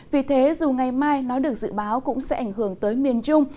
vì thế dù ngày mai nó được dự báo cũng sẽ ảnh hưởng tới miền trung